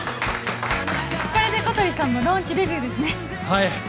これで小鳥さんもローンチデビューですねはい